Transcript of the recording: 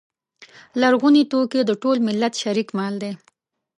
لرغوني توکي د ټول ملت شریک مال دی.